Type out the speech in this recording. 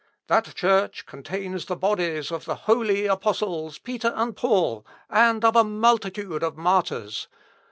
That church contains the bodies of the holy apostles St. Peter and St. Paul, and of a multitude of martyrs.